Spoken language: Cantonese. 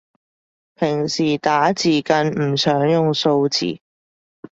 平時打字更唔想用數字